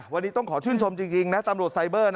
วันนี้ต้องขอชื่นชมจริงนะตำรวจไซเบอร์